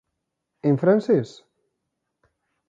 En francés?